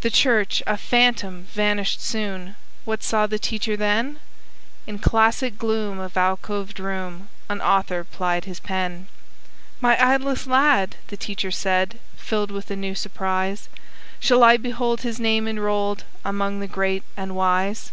The church, a phantom, vanished soon; What saw the teacher then? In classic gloom of alcoved room An author plied his pen. "My idlest lad!" the teacher said, Filled with a new surprise; "Shall I behold his name enrolled Among the great and wise?"